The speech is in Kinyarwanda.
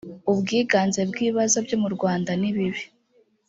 ubwiganze bw ibibazo byo murwanda nibibi